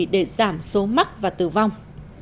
để giảm số mắc và tử vong